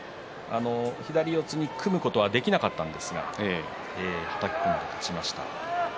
左四つに組むことはできなかったんですがはたき込んで勝ちました。